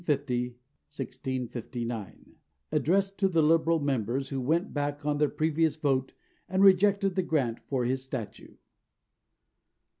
Oliver Cromwell 1650 1659 (_Addressed to the Liberal Members who "went back" on their previous vote and rejected the grant for his statue.